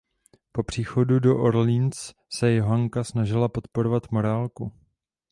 Po příchodu do Orléans se Johanka snažila podporovat morálku.